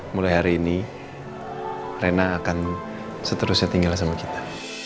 mulai hari ini rena akan seterusnya tinggal sama kita